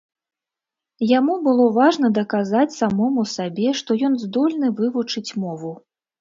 Яму было важна даказаць самому сабе, што ён здольны вывучыць мову.